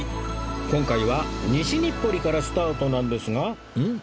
今回は西日暮里からスタートなんですがんっ？